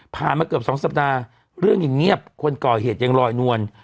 มาเกือบ๒สัปดาห์เรื่องยังเงียบคนก่อเหตุยังลอยนวล